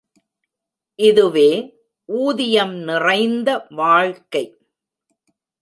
இதுவே ஊதியம் நிறைந்த வாழ்க்கை.